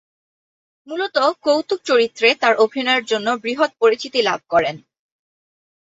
মূলত কৌতুক চরিত্রে তার অভিনয়ের জন্য বৃহৎ পরিচিতি লাভ করেন তিনি।